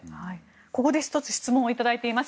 ここで１つ質問を頂いています。